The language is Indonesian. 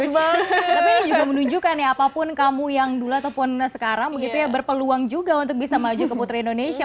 tapi ini juga menunjukkan ya apapun kamu yang dulu ataupun sekarang begitu ya berpeluang juga untuk bisa maju ke putri indonesia